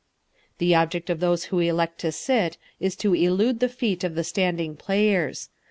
The object of those who elect to sit is to elude the feet of the standing players.